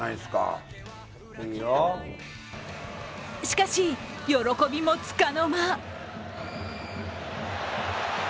しかし、喜びもつかの間。